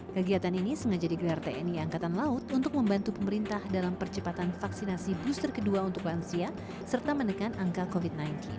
kegiatan ini sengaja digelar tni angkatan laut untuk membantu pemerintah dalam percepatan vaksinasi booster kedua untuk lansia serta menekan angka covid sembilan belas